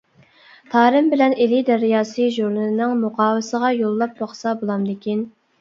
«تارىم» بىلەن «ئىلى دەرياسى» ژۇرنىلىنىڭ مۇقاۋىسىغا يوللاپ باقسا بولامدىكىن؟ !